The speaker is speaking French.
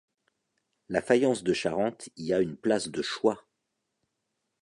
La faïence de Charente y a une place de choix.